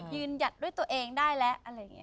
หยัดด้วยตัวเองได้แล้วอะไรอย่างนี้